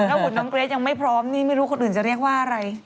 หุ่นน้องเกรทยังไม่พร้อมนี่ไม่รู้คนอื่นจะเรียกว่าอะไร